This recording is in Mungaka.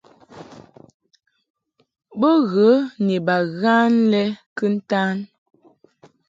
Bo ghə ni baghan lɛ kɨntan.